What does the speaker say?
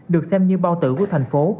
được xem như bao tử của thành phố